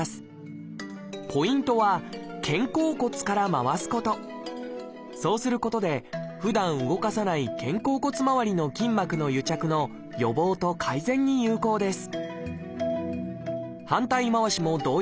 まず胸の前でそうすることでふだん動かさない肩甲骨まわりの筋膜の癒着の予防と改善に有効です